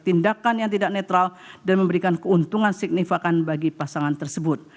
tindakan yang tidak netral dan memberikan keuntungan signifikan bagi pasangan tersebut